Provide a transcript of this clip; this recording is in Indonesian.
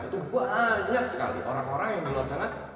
itu banyak sekali orang orang yang di luar sana